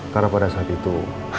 karena pada saat itu